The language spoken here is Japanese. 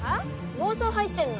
妄想入ってんの？